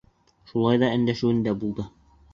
Шулай ҙа өндәшеүендә булды.